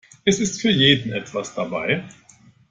Es ist für jeden etwas dabei.